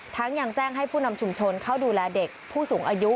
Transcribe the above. ยังแจ้งให้ผู้นำชุมชนเข้าดูแลเด็กผู้สูงอายุ